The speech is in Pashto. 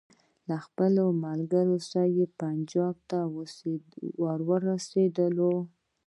له خپلو ملګرو سره پنجاب ته ورسېدلو.